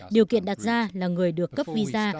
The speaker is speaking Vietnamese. điều kiện đặt ra là người được cấp visa